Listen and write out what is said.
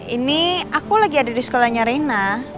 ini aku lagi ada di sekolahnya rina